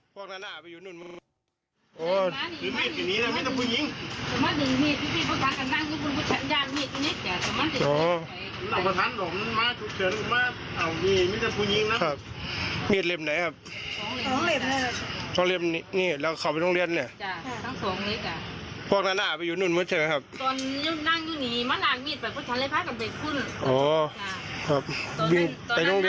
ตอนแรกมามากี่ทูบร่างกูเดี๋ยวพูดแขนทิ้ง